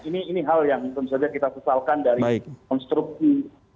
ini hal yang tentu saja kita sesalkan dari konstruksi